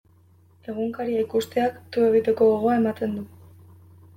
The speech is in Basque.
Egunkaria ikusteak tu egiteko gogoa ematen du.